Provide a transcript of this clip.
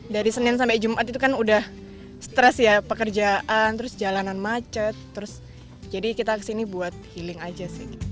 dari senin sampai jumat itu kan sudah stress ya pekerjaan jalanan macet jadi kita kesini buat healing saja